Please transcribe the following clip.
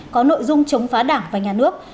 có nội dung chống phá đảng và nhà nước